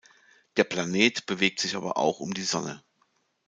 Der Planet bewegt sich aber auch um die Sonne.